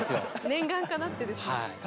念願かなってですね。